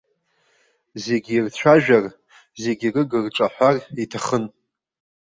Зегьы ирцәажәар, зегьы рыг-рҿаҳәар иҭахын.